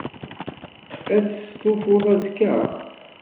Ad testufuḍ azekka?